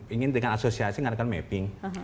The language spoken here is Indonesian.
ingin dengan asosiasi dengan rekan mapping